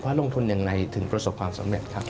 ลงทุนอย่างไรถึงประสบความสำเร็จครับ